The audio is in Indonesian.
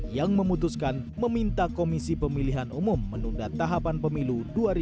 yang memutuskan meminta komisi pemilihan umum menunda tahapan pemilu dua ribu dua puluh